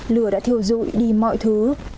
lửa đã thiêu rụi đi mọi thứ